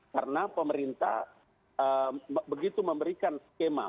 karena pemerintah begitu memberikan skema